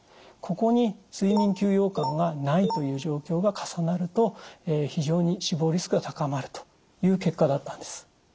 ここに睡眠休養感がないという状況が重なると非常に死亡リスクが高まるという結果だったんです。